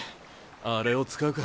あれを使うか。